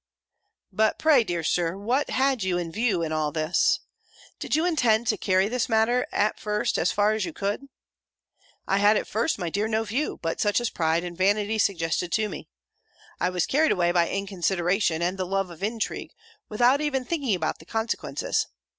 "But pray, dear Sir, what had you in view in all this? Did you intend to carry this matter, at first, as far as ever you could?" "I had, at first, my dear, no view, but such as pride and vanity suggested to me. I was carried away by inconsideration, and the love of intrigue, without even thinking about the consequences.